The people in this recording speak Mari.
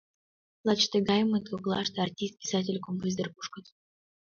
Лач тыгаймыт коклаште артист, писатель, композитор кушкыт.